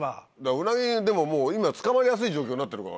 ウナギ今捕まりやすい状況になってるからね。